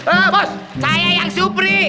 oh bos saya yang supri